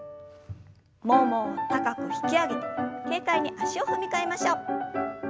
ももを高く引き上げて軽快に足を踏み替えましょう。